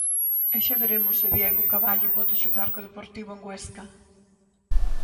E xa veremos se Diego Caballo pode xogar co Deportivo en Huesca.